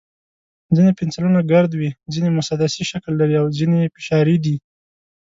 ځینې پنسلونه ګرد وي، ځینې مسدسي شکل لري، او ځینې یې فشاري دي.